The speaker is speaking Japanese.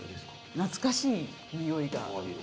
懐かしいにおいが。